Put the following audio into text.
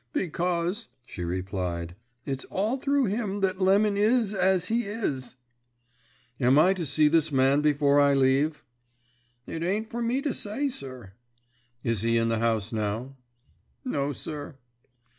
"Because," she replied, "it's all through him that Lemon is as he is." "Am I to see this man before I leave?" "It ain't for me to say, sir." "Is he in the house now?" "No, sir."